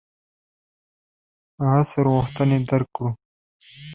عصر غوښتنې درک کړو.